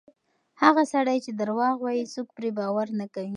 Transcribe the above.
هغه سړی چې درواغ وایي، څوک پرې باور نه کوي.